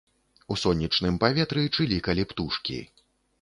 У сонечным паветры чылікалі птушкі.